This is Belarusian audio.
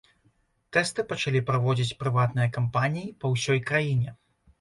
Тэсты пачалі праводзіць прыватныя кампаніі па ўсёй краіне.